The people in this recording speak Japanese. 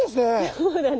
そうだね。